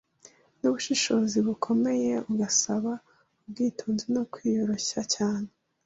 n’ubushishozi bukomeye, ugasaba ubwitonzi no kwiyoroshya cyane,